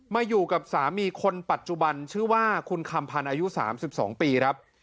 มาอยู่กับสามีคนปัจจุบันชื่อว่าคุณคำพันธ์อายุ๓๒ปีครับ